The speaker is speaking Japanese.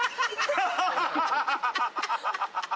アハハハ！